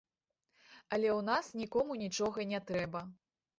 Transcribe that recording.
Але ў нас нікому нічога не трэба.